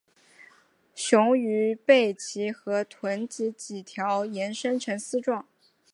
雄鱼背鳍和臀鳍鳍条延伸呈丝状。